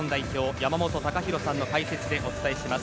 山本隆弘さんの解説でお伝えします。